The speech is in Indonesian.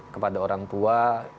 kepada orang tua